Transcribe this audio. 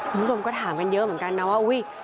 คุณผู้ชมก็ถามกันเยอะเหมือนกันนะว่าอุ้ย